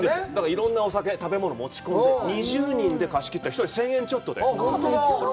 いろんなお酒、食べ物を持ち込んで、２０人で貸し切ったら１人１０００円ちょっとで。